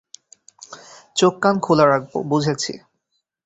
চোখ কান খোলা রাখবো, বুঝেছি।